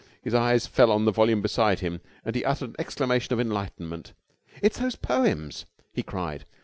His eyes fell on the volume beside him and he uttered an exclamation of enlightenment. "It's those poems!" he cried.